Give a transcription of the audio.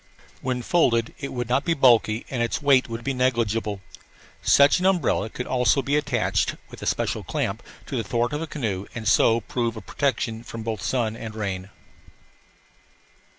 When folded it would not be bulky and its weight would be negligible. Such an umbrella could also be attached, with a special clamp, to the thwart of a canoe and so prove a protection from both sun and rain.